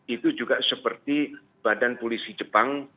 itu juga seperti badan polisi jepang